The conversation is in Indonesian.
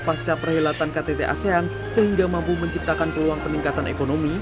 pasca perhelatan ktt asean sehingga mampu menciptakan peluang peningkatan ekonomi